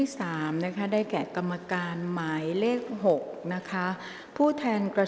กรรมการท่านแรกนะคะได้แก่กรรมการใหม่เลขกรรมการขึ้นมาแล้วนะคะ